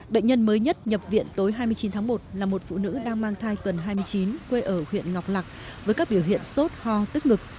bệnh nhân mới nhất nhập viện tối hai mươi chín tháng một là một phụ nữ đang mang thai tuần hai mươi chín quê ở huyện ngọc lạc với các biểu hiện sốt ho tức ngực